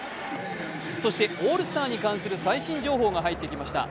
そしてオールスターに関する最新情報が入ってきました。